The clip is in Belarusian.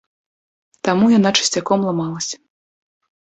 Таму яна часцяком ламалася.